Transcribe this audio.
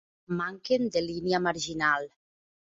Manquen de línia marginal.